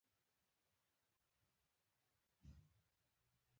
چي په شیعه ګانو کي په غُلات مشهور دي.